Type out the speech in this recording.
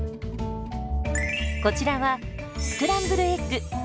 こちらはスクランブルエッグ。